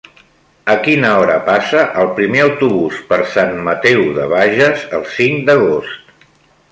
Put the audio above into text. A quina hora passa el primer autobús per Sant Mateu de Bages el cinc d'agost?